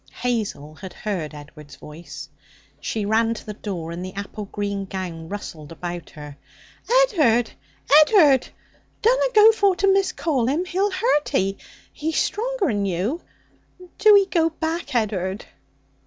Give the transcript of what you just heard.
Hazel had heard Edward's voice. She ran to the door, and the apple green gown rustled about her. 'Ed'ard! Ed'ard! Dunna go for to miscall him! He'll hurt 'ee! He's stronger'n you. Do 'ee go back, Ed'ard!'